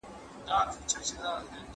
هغه تر پېښي وروسته نه بېدېدلی.